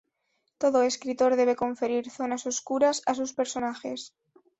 Todo escritor debe conferir zonas oscuras a sus personajes.